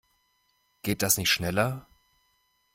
Geht das nicht schneller?